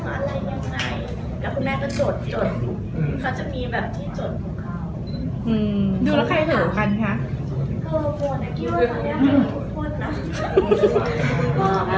มีแบบที่จดพวกเขา